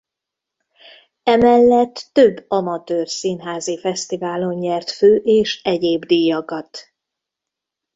E mellett több amatőr színházi fesztiválon nyert fő és egyéb díjakat.